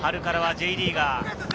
春からはＪリーガー。